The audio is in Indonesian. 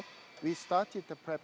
kami mulai mempersiapkan